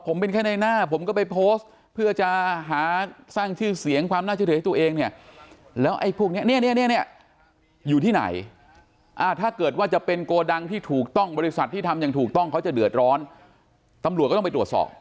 ผมเป็นแค่ในหน้าผมก็ไปโพสต์เพื่อจะหาสร้างชื่อเสียงความน่าเชื่อถือให้ตัวเองเนี่ย